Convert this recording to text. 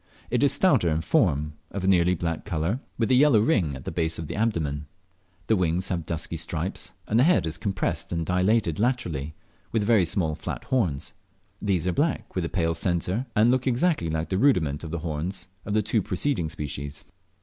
It is stouter in form, of a nearly black colour, with a yellow ring at the base of the abdomen; the wings have dusky stripes, and the head is compressed and dilated laterally, with very small flat horns; which are black with a pale centre, and look exactly like the rudiment of the horns of the two preceding species.